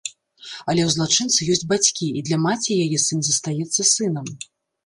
Але ў злачынцы ёсць бацькі, і для маці яе сын застаецца сынам.